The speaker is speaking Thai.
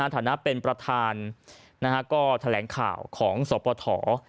ฐานะเป็นประธานก็แถลงข่าวของสปฐ